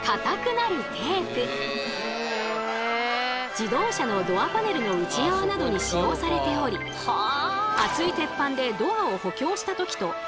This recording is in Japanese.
自動車のドアパネルの内側などに使用されており厚い鉄板でドアを補強した時と同じ強度を実現。